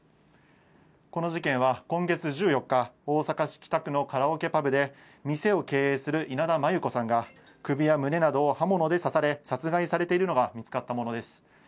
この事件は今月１４日、大阪市北区のカラオケパブで、店を経営する稲田真優子さんが、首や胸などを刃物で刺され、殺害されているのが見つかったものです。